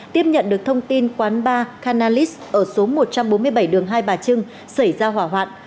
tiếp nhận được thông tin quán bar canalis ở số một trăm bốn mươi bảy đường hai bà trưng xảy ra hỏa hoạn